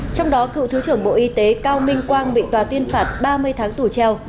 trong đó cựu thứ trưởng bộ y tế cao minh quang bị tòa tuyên phạt ba mươi tháng tù treo